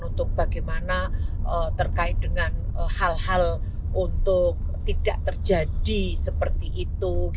untuk bagaimana terkait dengan hal hal untuk tidak terjadi seperti itu